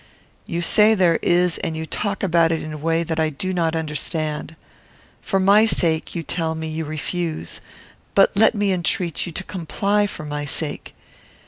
You say there is, and you talk about it in a way that I do not understand. For my sake, you tell me, you refuse; but let me entreat you to comply for my sake.